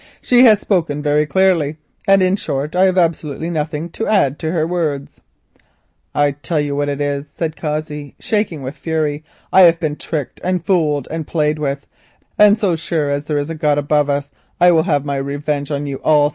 She has spoken very clearly indeed, and, in short, I have absolutely nothing to add to her words." "I tell you what it is," Cossey said, shaking with fury, "I have been tricked and fooled and played with, and so surely as there is a heaven above us I will have my revenge on you all.